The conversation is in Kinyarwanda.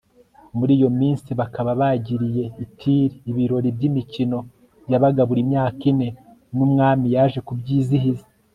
muri iyo minsi, bakaba bagiriye i tiri ibirori by'imikino yabaga buri myaka ine, n'umwami yaje kubyizihiza